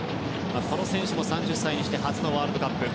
この選手も３０歳にして初のワールドカップ。